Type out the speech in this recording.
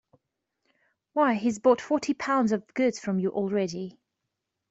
Why, he's bought forty pounds of goods from you already.